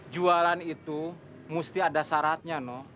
jualan itu mesti ada syaratnya no